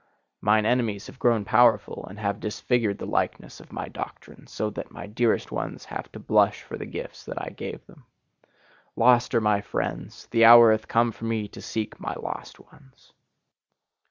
Mine enemies have grown powerful and have disfigured the likeness of my doctrine, so that my dearest ones have to blush for the gifts that I gave them. Lost are my friends; the hour hath come for me to seek my lost ones!